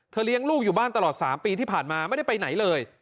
เลี้ยงลูกอยู่บ้านตลอด๓ปีที่ผ่านมาไม่ได้ไปไหนเลย